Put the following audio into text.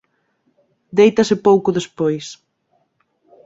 Déitase pouco despois.